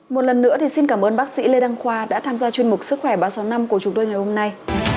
một lần nữa thì xin cảm ơn bác sĩ lê đăng khoa đã tham gia chuyên mục sức khỏe ba trăm sáu mươi năm của chúng tôi ngày hôm nay